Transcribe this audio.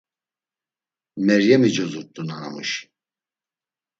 Meryemi cozurt̆u nanamuşi.